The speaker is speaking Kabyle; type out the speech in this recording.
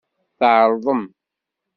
Tɛeṛḍem.